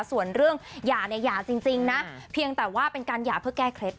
ส่วนเรื่องหย่าเนี่ยหย่าจริงนะเพียงแต่ว่าเป็นการหย่าเพื่อแก้เคล็ด